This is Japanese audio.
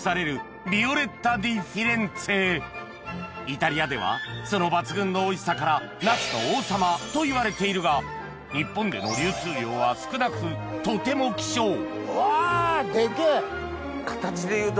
イタリアではその抜群のおいしさからナスの王様といわれているが日本での流通量は少なくとても希少うわでけぇ！